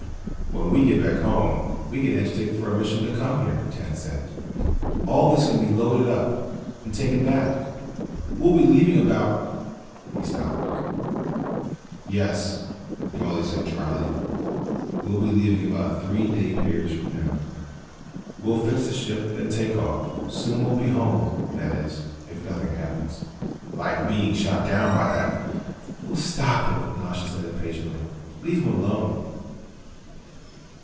"When we get back home we can agitate for a mission to come here," Tance said. "All this can be loaded up and taken back. We'll be leaving about " He stopped. "Yes," Dorle said dryly. "We'll be leaving about three day periods from now. We'll fix the ship, then take off. Soon we'll be home, that is, if nothing happens. Like being shot down by that " "Oh, stop it!" Nasha said impatiently. "Leave him alone.